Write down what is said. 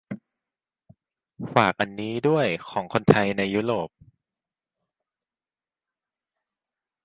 ฝากอันนี้ด้วย ของคนไทยในยุโรป